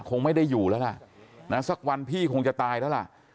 คงไม่ได้อยู่แล้วล่ะนะสักวันพี่คงจะตายแล้วล่ะ